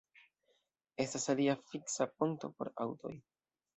Estas alia fiksa ponto por aŭtoj.